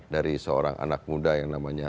dari seorang anak muda yang namanya